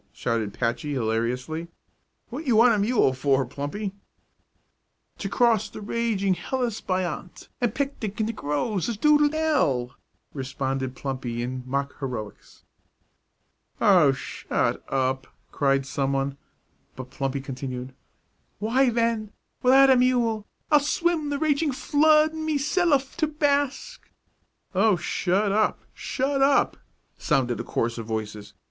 shouted Patchy, hilariously. "What you want a mule for, Plumpy?" "To cross the raging Helles py ont and picnic in the groves of doodle dell," responded Plumpy, in mock heroics. "Oh, shut up!" cried some one, but Plumpy continued: "Why, then, without a mule, I'll swim the raging flood me selluf to bask " "Oh, shut up! shut up!" sounded a chorus of voices.